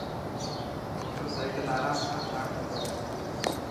موٽر سائڪل آرام سان هلاڻ کپي.